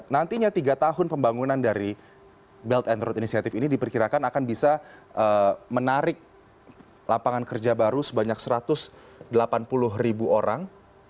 nantinya tiga tahun pembangunan dari belt and road initiative ini diperkirakan akan bisa menarik lapangan kerja baru sebanyak satu ratus delapan puluh ribu orang